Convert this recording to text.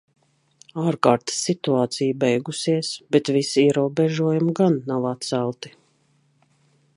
Ārkārtas situācija beigusies, bet visi ierobežojumi gan nav atcelti.